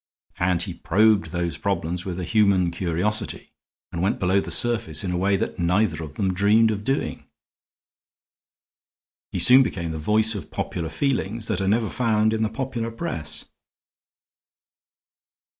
And he probed those problems with a human curiosity, and went below the surface in a way that neither of them dreamed of doing. He soon became the voice of popular feelings that are never found in the popular press.